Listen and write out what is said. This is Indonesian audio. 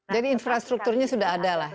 jadi infrastrukturnya sudah ada lah